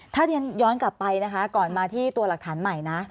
ถ้าเรียนย้อนกลับไปนะคะก่อนมาที่ตัวหลักฐานใหม่นะ